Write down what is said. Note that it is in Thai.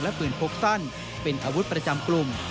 และปืนพกสั้นเป็นอาวุธประจำกลุ่ม